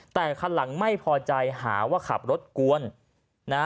แต่คันหลังไม่พอใจหาว่าขับรถกวนนะ